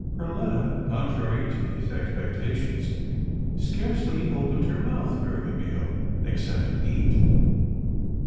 Perletta, contrary to his expectations, scarcely opened her mouth during the meal, except to eat.